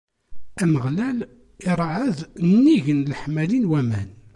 Ameɣlal iṛeɛɛed nnig n leḥmali n waman.